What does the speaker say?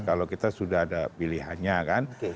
kalau kita sudah ada pilihannya kan